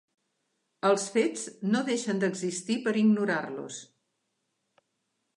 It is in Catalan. Els fets no deixen d'existir per ignorar-los.